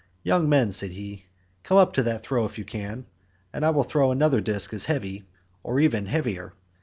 "Young men," said he, "come up to that throw if you can, and I will throw another disc as heavy or even heavier.